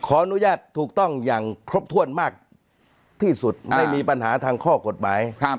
อนุญาตถูกต้องอย่างครบถ้วนมากที่สุดไม่มีปัญหาทางข้อกฎหมาย